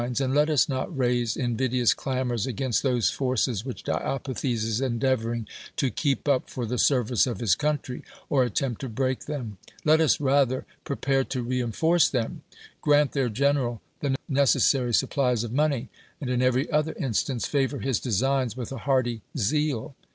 and let us not rriise invidious clainoi's ;iL;';iiri<f those forces which Diopithes is endeavoring 1'^ 125 THE WORLD'S FAMOUS ORATIONS keep up for the service of his country, or at tempt to break them: let us rather prepare to reinforce them; grant their general the neces sary supplies of money, and in every other in stance favor his designs with a hearty zeal.